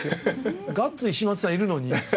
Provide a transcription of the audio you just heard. ガッツ石松さんいるのに。